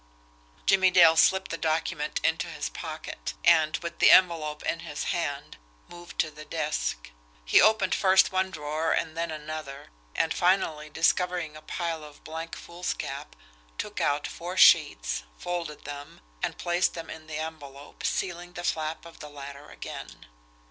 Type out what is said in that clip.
Jimmie Dale slipped the document into his pocket, and, with the envelope in his hand, moved to the desk. He opened first one drawer and then another, and finally discovering a pile of blank foolscap, took out four sheets, folded them, and placed them in the envelope, sealing the flap of the latter again.